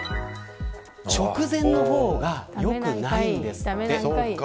直前の方が良くないんです。